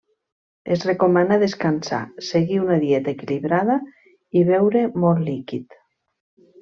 Es recomana descansar, seguir una dieta equilibrada i beure molt líquid.